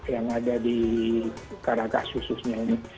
yang ada di karakas khususnya ini